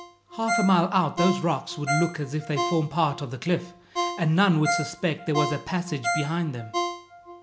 Half a mile out those rocks would look as if they form part of the cliff, and none would suspect there was a passage behind them."